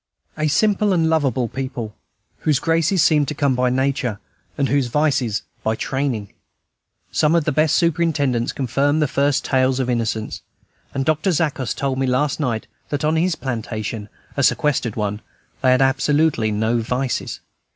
A simple and lovable people, whose graces seem to come by nature, and whose vices by training. Some of the best superintendents confirm the first tales of innocence, and Dr. Zachos told me last night that on his plantation, a sequestered one, "they had absolutely no vices."